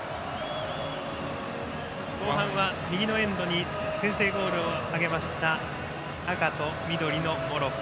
後半は右のエンドに先制ゴールを挙げた赤と緑のモロッコ。